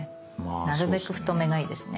なるべく太めがいいですね。